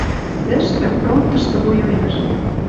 Тӹштӹ, фронтышты, воюяш